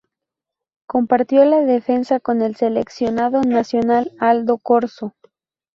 Compartió la defensa con el seleccionado nacional Aldo Corzo.